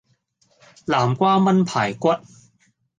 南瓜炆排骨